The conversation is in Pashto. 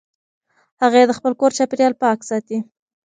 هغې د خپل کور چاپېریال پاک ساتي.